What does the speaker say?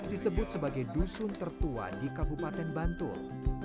disebut sebagai dusun tertua di kabupaten bantul